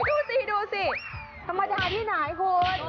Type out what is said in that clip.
ดูสิธรรมดาที่ไหนคุณ